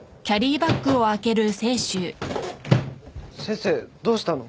先生どうしたの？